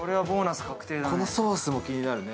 このソースも気になるね。